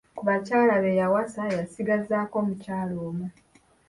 Ku bakyala be yawasa, yasigazaako omukyala omu.